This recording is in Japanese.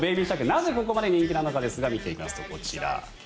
なぜここまで人気なのかですが見ていきますと、こちら。